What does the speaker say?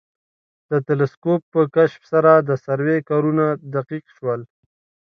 د تلسکوپ په کشف سره د سروې کارونه دقیق شول